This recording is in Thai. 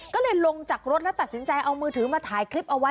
ก็เลยลงจากรถแล้วตัดสินใจเอามือถือมาถ่ายคลิปเอาไว้